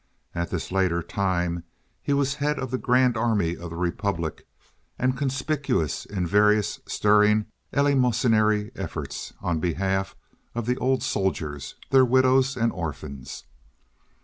At this later time he was head of the Grand Army of the Republic, and conspicuous in various stirring eleemosynary efforts on behalf of the old soldiers, their widows and orphans.